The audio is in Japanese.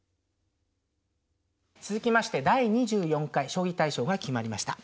続きまして第２４回将棋大賞が決まりました。